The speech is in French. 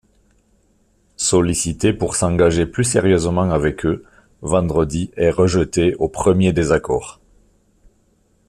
Sollicité pour s'engager plus sérieusement avec eux, Vendredi est rejetée au premier désaccord.